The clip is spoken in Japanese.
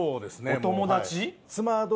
お友達？